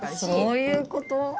そういうこと？